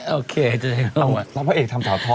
โอเคจะให้เข้ามา